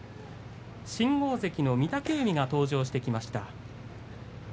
新大関の御嶽海が登場してきました。